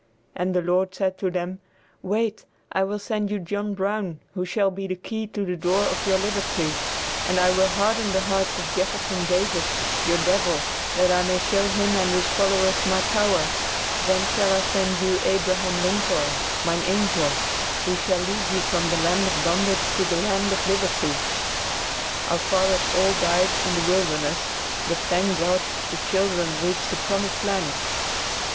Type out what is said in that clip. and the Lord said to them, "Wait, I will send you John Brown who shall be the key to the door of your liberty, and I will harden the heart of Jefferson Davis, your devil, that I may show him and his followers my power; then shall I send you Abraham Lincoln, mine angel, who shall lead you from the land of bondage to the land of liberty." Our fathers all died in "the wilderness," but thank God, the children reached "the promised land."